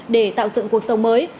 để tạo dựng cuộc sống mới